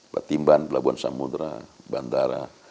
pertimbangan pelabuhan samudera bandara